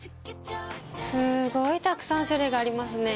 すごいたくさん種類がありますね。